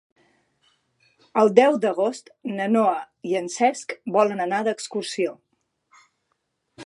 El deu d'agost na Noa i en Cesc volen anar d'excursió.